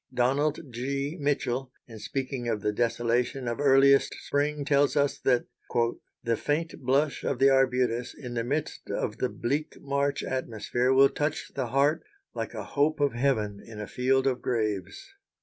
Donald G. Mitchell, in speaking of the desolation of earliest spring, tells us that "the faint blush of the arbutus, in the midst of the bleak March atmosphere will touch the heart like a hope of heaven, in a field of graves."